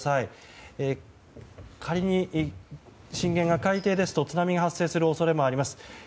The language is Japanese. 仮に震源が海底ですと津波が発生する恐れがあります。